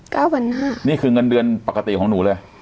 พันห้านี่คือเงินเดือนปกติของหนูเลย